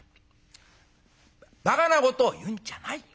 「ばかなことを言うんじゃないよ。